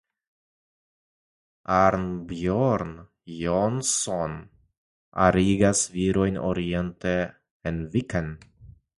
Arnbjorn Jonsson arigas virojn oriente en viken.